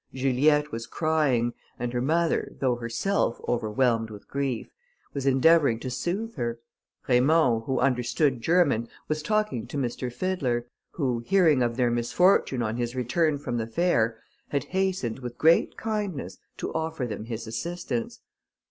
Juliette was crying, and her mother, though herself overwhelmed with grief, was endeavouring to soothe her; Raymond, who understood German, was talking to M. Fiddler, who hearing of their misfortune on his return from the fair, had hastened with great kindness to offer them his assistance.